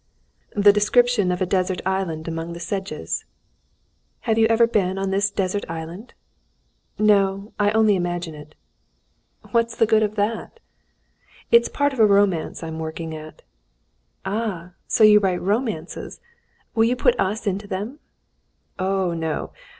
"The description of a desert island among the sedges." "Have you ever been on this desert island?" "No; I only imagine it." "What's the good of that?" "It's part of a romance I'm working at." "Ah, so you write romances! Will you put us into them?" "Oh, no!